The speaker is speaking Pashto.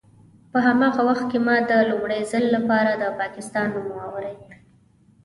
په هماغه وخت کې ما د لومړي ځل لپاره د پاکستان نوم واورېد.